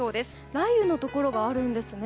雷雨のところがあるんですね。